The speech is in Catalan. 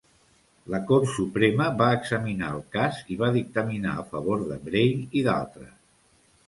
La Cort Suprema va examinar el cas i va dictaminar a favor de Bray i d'altres.